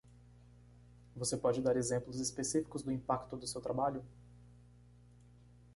Você pode dar exemplos específicos do impacto do seu trabalho?